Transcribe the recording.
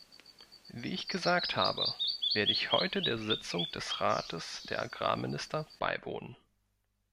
Wie ich gesagt habe, werde ich heute der Sitzung des Rates der Agrarminister beiwohnen.